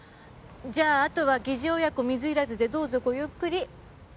じゃああとは疑似親子水入らずでどうぞごゆっくり。